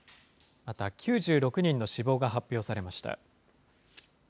また９６人の死亡が発表されました。